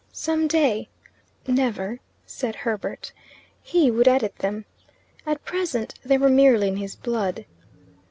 Some day ("never," said Herbert) he would edit them. At present they were merely in his blood.